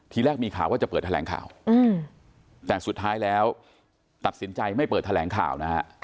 ทีแรกมีข่าวว่าจะเปิดแถลงข่าวแต่สุดท้ายแล้วตัดสินใจไม่เปิดแถลงข่าวนะฮะ